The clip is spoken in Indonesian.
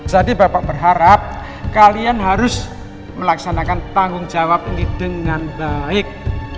jadi bapak berharap kalian harus melaksanakan tanggung jawab ini dengan baik